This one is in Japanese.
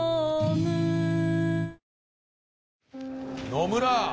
野村！